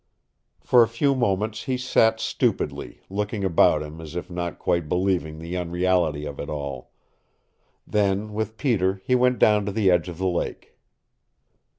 For a few moments he sat stupidly, looking about him as if not quite believing the unreality of it all. Then with Peter he went down to the edge of the lake.